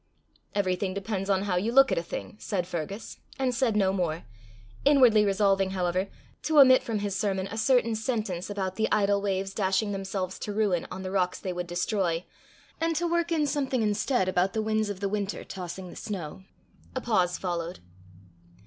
"Everything depends on how you look at a thing," said Fergus, and said no more inwardly resolving, however, to omit from his sermon a certain sentence about the idle waves dashing themselves to ruin on the rocks they would destroy, and to work in something instead about the winds of the winter tossing the snow. A pause followed.